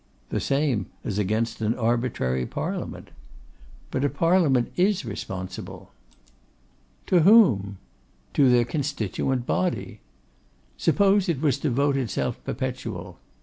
'The same as against an arbitrary Parliament.' 'But a Parliament is responsible.' 'To whom?' 'To their constituent body.' 'Suppose it was to vote itself perpetual?